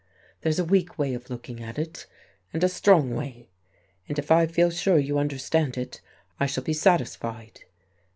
There's a weak way of looking at it, and a strong way. And if I feel sure you understand it, I shall be satisfied.